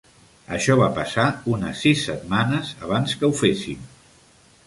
Això va passar unes sis setmanes abans que ho féssim.